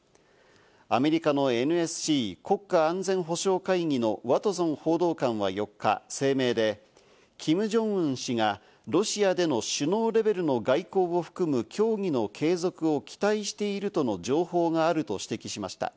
アメリカのＮＳＣ＝国家安全保障会議のワトソン報道官は４日、声明でキム・ジョンウン氏がロシアでの首脳レベルの外交を含む協議の継続を期待しているとの情報があると指摘しました。